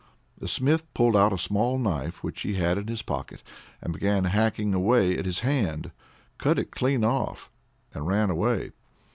The Smith pulled out a small knife which he had in his pocket, and began hacking away at his hand cut it clean off and ran away.